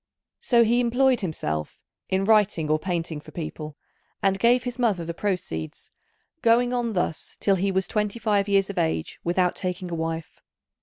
So he employed himself in writing or painting for people, and gave his mother the proceeds, going on thus till he was twenty five years of age without taking a wife.